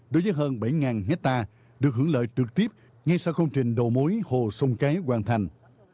đối với hơn bảy hectare được hưởng lợi trực tiếp ngay sau công trình đầu mối hồ sông cháy hoàn thành